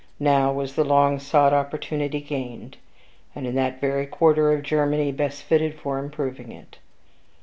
Now was the long sought opportunity gained, and in that very quarter of Germany best fitted for improving it.